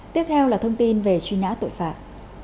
tiếp theo là thông tin về truy nã tội phạm